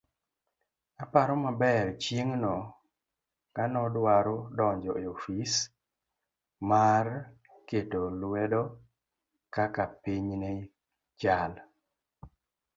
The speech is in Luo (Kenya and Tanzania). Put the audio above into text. oparo maber chieng'no kano dwaro donjo e ofis mar ketoluedokakapinynechal